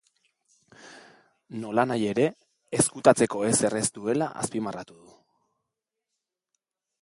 Nolanahi ere, ezkutatzeko ezer ez duela azpimarratu du.